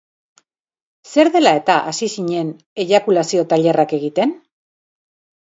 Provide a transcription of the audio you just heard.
Zer dela-eta hasi zinen eiakulazio-tailerrak egiten?